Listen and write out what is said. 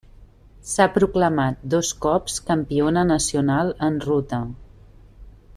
S'ha proclamat dos cops campiona nacional en ruta.